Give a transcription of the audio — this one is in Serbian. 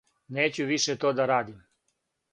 нећу више то да радим